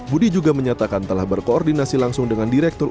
budi juga menyatakan telah berkoordinasi langsung dengan direktur